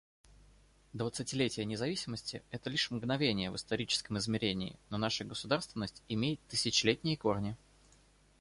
Двадцатилетие независимости — это лишь мгновение в историческом измерении, но наша государственность имеет тысячелетние корни.